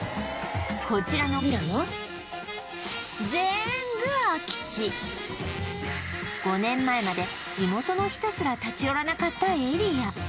こちらのヴィラも全部空き地５年前まで地元の人すら立ち寄らなかったエリア